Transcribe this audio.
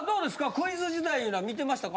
クイズ時代いうのは見てましたか？